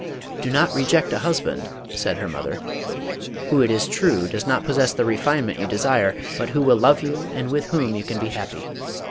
" Do not reject a husband," said her mother, " who it is true does not possess the refinement you desire, but who will love you and with whom you can be happy."